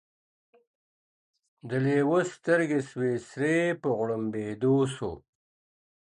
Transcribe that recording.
د لېوه سترګي سوې سرې په غړومبېدو سو.